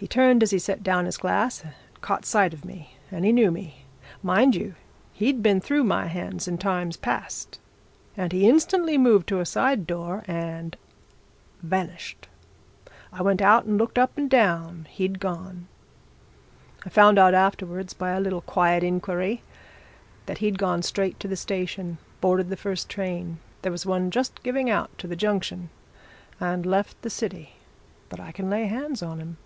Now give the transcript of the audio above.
He turned as he set down his glass, and caught sight of me and he knew me. Mind you, he'd been through my hands in times past! And he instantly moved to a side door and vanished. I went out and looked up and down he'd gone. I found out afterwards, by a little quiet inquiry, that he'd gone straight to the station, boarded the first train there was one just giving out, to the junction and left the city. But I can lay hands on him!"